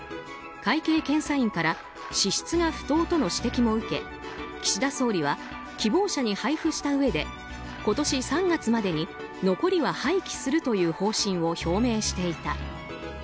会計検査院から支出が不当との指摘も受け岸田総理は希望者に配布したうえで今年３月までに残りは廃棄するという方針を表明していた。